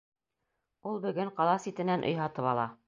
Ул бөгөн ҡала ситенән өй һатып ала.